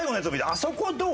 「あそこどう？